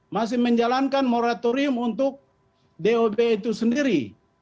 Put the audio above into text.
masih menjalankan moratorium untuk dob itu sendiri